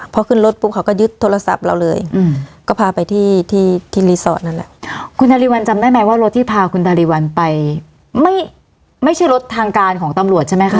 พอขึ้นรถปุ๊บเขาก็ยึดโทรศัพท์เราเลยก็พาไปที่ที่รีสอร์ทนั่นแหละคุณนาริวัลจำได้ไหมว่ารถที่พาคุณนาริวัลไปไม่ไม่ใช่รถทางการของตำรวจใช่ไหมคะ